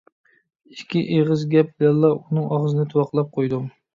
ئىككى ئېغىز گەپ بىلەنلا ئۇنىڭ ئاغزىنى تۇۋاقلاپ قويدۇم.